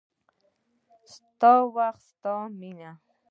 ستاسو وخت، ستاسو مینه